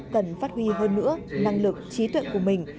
cần phát huy hơn nữa năng lực trí tuệ của mình